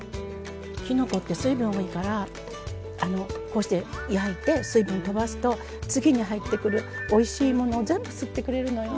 きのこって水分多いからこうして焼いて水分とばすと次に入ってくるおいしいものを全部吸ってくれるのよね。